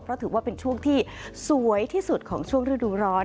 เพราะถือว่าเป็นช่วงที่สวยที่สุดของช่วงฤดูร้อน